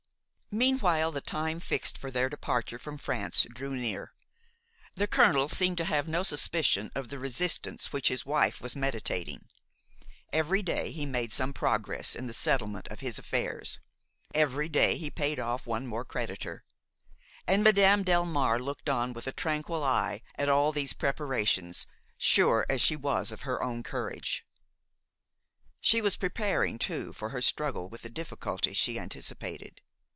Meanwhile the time fixed for their departure from France drew near. The colonel seemed to have no suspicion of the resistance which his wife was meditating; every day he made some progress in the settlement of his affairs, every day he paid off one more creditor; and Madame Delmare looked on with a tranquil eye at all these preparations, sure as she was of her own courage. She was preparing, too, for her struggle with the difficulties she anticipated.